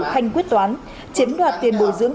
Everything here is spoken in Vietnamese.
thanh quyết toán chiếm đoạt tiền bồi dưỡng